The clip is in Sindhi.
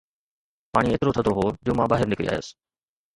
پاڻي ايترو ٿڌو هو جو مان ٻاهر نڪري آيس